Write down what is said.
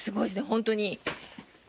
本当に。